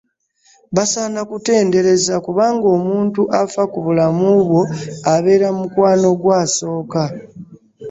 Basaana kutendereza kubanga omuntu afa ku bulamu bwo abeera mukwano gwo asooka